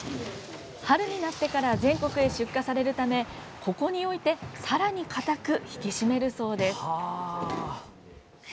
春になってから全国へ出荷されるためここに置いてさらに固く引き締めるそうです。